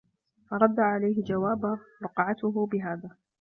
فَرَدَّ عَلَيْهِ جَوَابَ رُقْعَتُهُ بِهَذَا